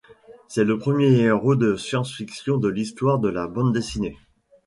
C'est le premier héros de science-fiction de l'histoire de la bande dessinée.